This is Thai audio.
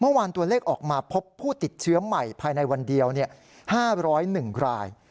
เมื่อวานตัวเลขออกมาพบผู้ติดเชื้อใหม่ภายในวันเดียว๕๐๑ราย